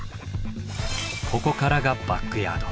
ここからがバックヤード。